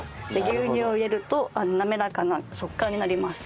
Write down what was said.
牛乳を入れると滑らかな食感になります。